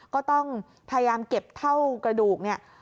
ก็ต้องพยายามเก็บเท่ากระดูกเนี่ย